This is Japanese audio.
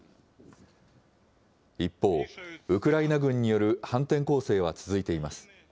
一方、ウクライナ軍による反転攻勢は続いています。